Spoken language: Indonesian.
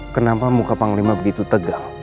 kenapa muka panglima begitu tegang